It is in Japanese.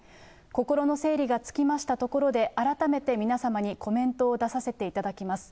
心の整理がつきましたところで、改めて皆様にコメントを出させていただきます。